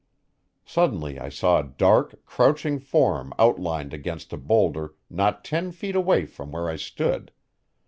Suddenly I saw a dark, crouching form outlined against a boulder not ten feet away from where I stood.